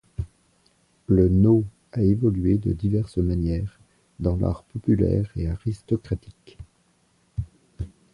Le nô a évolué de diverses manières dans l'art populaire et aristocratique.